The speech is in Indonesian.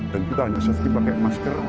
dan kita hanya safety pakai masker